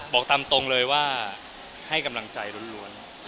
บอกตามตรงเลยว่าให้กำลังใจล้วน